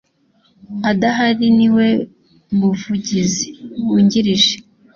adahari niwe muvugizi wungirije